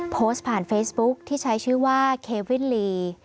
โพสต์ผ่านเฟซบุ๊คที่ใช้ชื่อว่าเควินลี